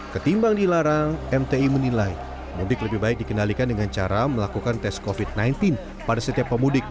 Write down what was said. ketimbang dilarang mti menilai mudik lebih baik dikendalikan dengan cara melakukan tes covid sembilan belas pada setiap pemudik